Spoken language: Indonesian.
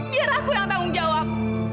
biar aku yang tanggung jawab